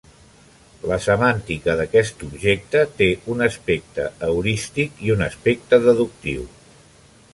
La semàntica d'aquest objecte té un aspecte heurístic i un aspecte deductiu.